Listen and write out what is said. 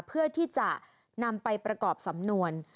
เพื่อที่จะนำไปประกอบสำนวน